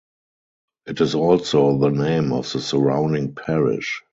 It is also the name of the surrounding parish.